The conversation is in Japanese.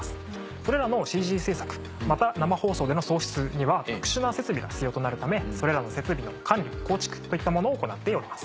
それらのＣＧ制作また生放送での送出には特殊な設備が必要となるためそれらの設備の管理構築といったものを行っております。